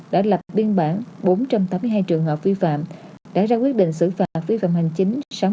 đã lập biên bản bốn trăm tám mươi hai trường hợp vi phạm đã ra quyết định xử phạt vi phạm hành chính